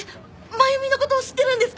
繭美のことを知ってるんですか？